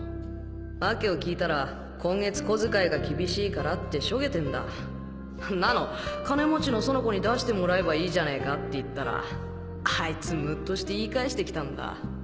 訳を聞いたら今月小遣いが厳しいからってしょげてんだんなの金持ちの園子に出してもらえばいいじゃねえかって言ったらあいつムッとして言い返してきたんだ